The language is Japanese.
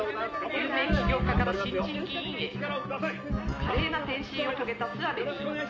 「有名起業家から新人議員へ華麗な転身を遂げた諏訪部議員」